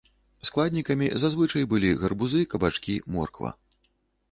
Складнікамі зазвычай былі гарбузы, кабачкі, морква.